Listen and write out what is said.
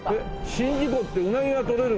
宍道湖ってウナギがとれるの？